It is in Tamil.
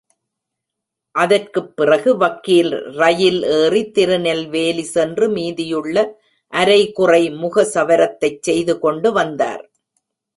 அதற்கு பிறகு, வக்கீல் ரயில் ஏறி திருநெல்வேலி சென்று மீதியுள்ள அரைகுறை முகசவரத்தைச் செய்து கொண்டு வந்தார்.